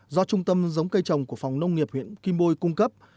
do trung tâm giống cây trồng của phòng nông nghiệp huyện kim bôi cung cấp